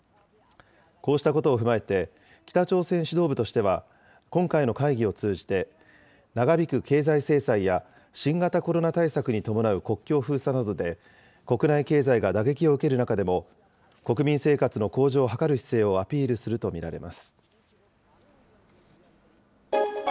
こうしたことを踏まえて、北朝鮮指導部としては、今回の会議を通じて、長引く経済制裁や新型コロナ対策に伴う国境封鎖などで、国内経済が打撃を受ける中でも、国民生活の向上を図る姿勢をアピールすると見られます。